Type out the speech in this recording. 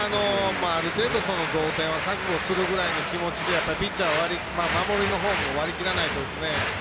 ある程度、同点は覚悟するぐらいの気持ちでピッチャーは守りのほうも割り切らないとですね。